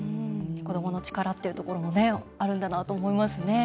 子どもの力というところもあるんだなと思いますね。